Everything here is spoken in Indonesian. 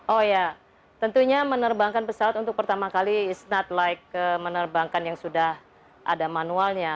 oh ya tentunya menerbangkan pesawat untuk pertama kali is not like menerbangkan yang sudah ada manualnya